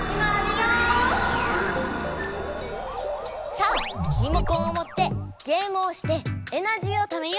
さあリモコンをもってゲームをしてエナジーをためよう。